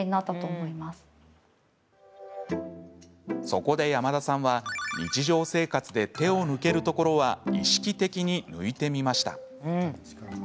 そこで山田さんは日常生活で手を抜けるところは意識的に抜いてみました。